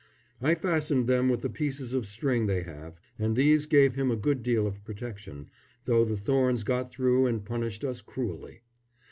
I fastened them with the pieces of string they have, and these gave him a good deal of protection, though the thorns got through and punished us cruelly.